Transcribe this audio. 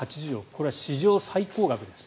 これは史上最高額です。